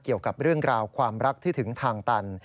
เกี่ยวกับเรื่องราวความรักที่ถึงทางตัน